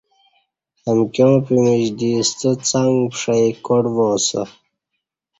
امکیاں پمیچ دی ستہ څݣ پݜئی کاٹ وا اسہ